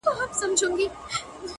د هر تورى لړم سو ـ شپه خوره سوه خدايه ـ